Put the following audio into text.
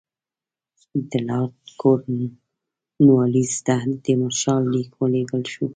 د لارډ کورنوالیس ته د تیمورشاه لیک ولېږل شو.